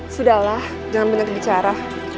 sudahlah jangan banyak bicara